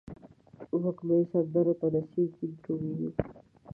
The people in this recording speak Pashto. وږمې سندرو ته نڅیږې درومې